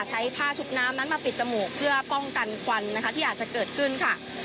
ใช้ผ้าชุบน้ำนั้นมาปิดจมูกเพื่อป้องกันควันนะคะที่อาจจะเกิดขึ้นค่ะ